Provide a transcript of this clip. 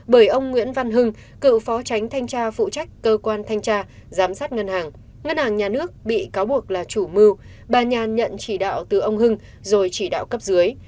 bởi ông nguyễn văn hưng cựu phó tránh thanh tra phụ trách cơ quan thanh tra giám sát ngân hàng ngân hàng nhà nước bị cáo buộc là chủ mưu bà nhàn nhận chỉ đạo từ ông hưng rồi chỉ đạo cấp dưới